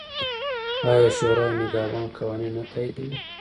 آیا شورای نګهبان قوانین نه تاییدوي؟